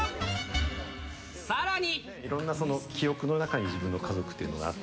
さらに。